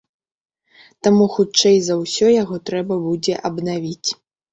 Таму хутчэй за ўсё яго трэба будзе абнавіць.